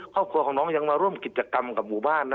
ครอบครัวของน้องยังมาร่วมกิจกรรมกับหมู่บ้านนะ